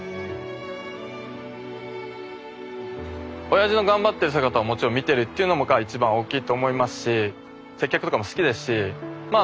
おやじの頑張ってる姿をもちろん見てるっていうのが一番大きいと思いますし接客とかも好きですしま